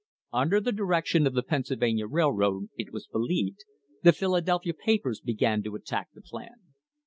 Under the direction of the Pennsylvania Railroad, it was believed, the Philadelphia papers began to attack the plan.